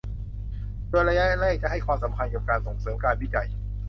โดยระยะแรกจะให้ความสำคัญกับการส่งเสริมการวิจัย